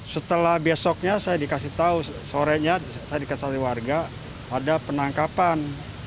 setelah besoknya saya dikasih tau sorenya saya dikasih tau ke warga ada penangkapan